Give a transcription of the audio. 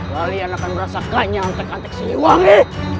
kalian akan merasakannya antek antek siliwangi